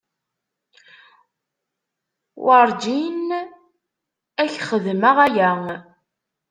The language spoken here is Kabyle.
Werǧin ad k-xedmeɣ aya.